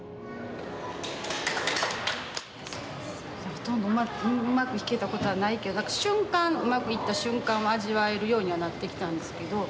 ほとんどうまく弾けたことはないけど瞬間うまくいった瞬間を味わえるようにはなってきたんですけど